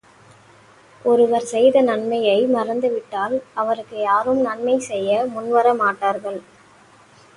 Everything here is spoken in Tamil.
ஒருவர் செய்த நன்மையை மறந்து விட்டால், அவருக்கு யாரும் நன்மை செய்ய முன்வர மாட்டார்கள்.